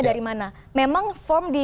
dari mana memang form